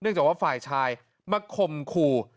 เนื่องจากว่าฝ่ายชายมาคมคู่